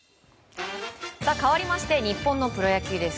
かわりまして日本のプロ野球です。